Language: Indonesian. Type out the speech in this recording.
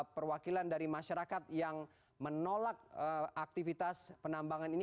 perwakilan dari masyarakat yang menolak aktivitas penambangan ini